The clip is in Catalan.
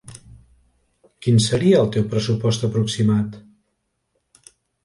Quin seria el teu pressupost aproximat?